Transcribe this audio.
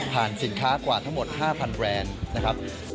สินค้ากว่าทั้งหมด๕๐๐แบรนด์นะครับ